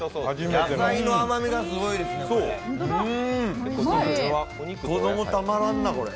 野菜の甘みがすごいですね、これ。